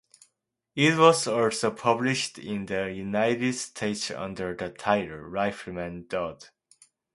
It was also published in the United States under the title "Rifleman Dodd".